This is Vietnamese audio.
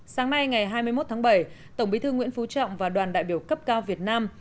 sáng nay ngày hai mươi một tháng bảy tổng bí thư nguyễn phú trọng và đoàn đại biểu cấp cao việt nam